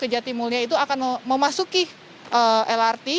kejati mulia itu akan memasuki lrt